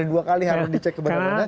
ada dua kali harap dicek kebenarannya